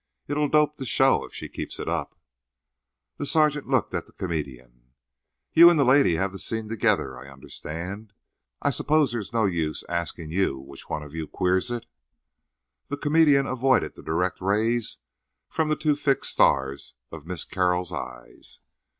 It'll dope the show if she keeps it up." The sergeant looked at the comedian. "You and the lady have this scene together, I understand. I suppose there's no use asking you which one of you queers it?" The comedian avoided the direct rays from the two fixed stars of Miss Carroll's eyes.